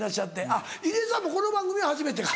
あっ入江さんもこの番組は初めてか。